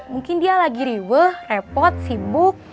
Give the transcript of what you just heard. mungkin dia lagi ribe repot sibuk